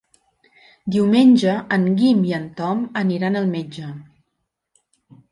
Diumenge en Guim i en Tom aniran al metge.